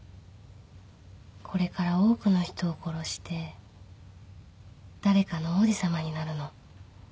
これから多くの人を殺して誰かの王子様になるの